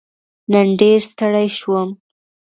نن ډېر ستړی شوم